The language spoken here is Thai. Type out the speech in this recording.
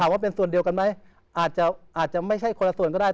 ว่าเป็นส่วนเดียวกันไหมอาจจะไม่ใช่คนละส่วนก็ได้